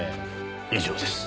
以上です。